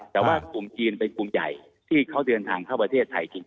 แต่ว่ากลุ่มจีนเป็นกลุ่มใหญ่ที่เขาเดินทางเข้าประเทศไทยจริง